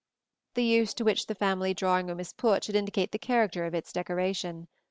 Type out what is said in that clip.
The use to which the family drawing room is put should indicate the character of its decoration.